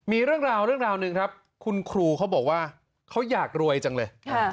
มีเรื่องราวเรื่องราวหนึ่งครับคุณครูเขาบอกว่าเขาอยากรวยจังเลย